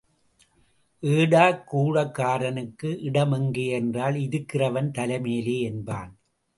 ஏடா கூடக்காரனுக்கு இடம் எங்கே என்றால் இருக்கிறவன் தலைமேலே என்பான்.